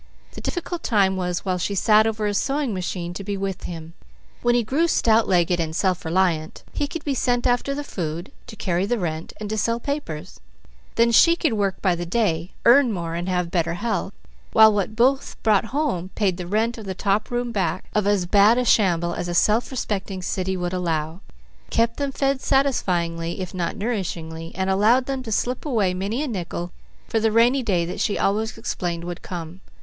The difficult time was while she sat over a sewing machine to be with him. When he grew stout legged and self reliant, he could be sent after the food, to carry the rent, and to sell papers, then she could work by the day, earn more, have better health, while what both brought home paid the rent of the top room back, of as bad a shamble as a self respecting city would allow; kept them fed satisfyingly if not nourishingly, and allowed them to slip away many a nickel for the rainy day that she always explained would come.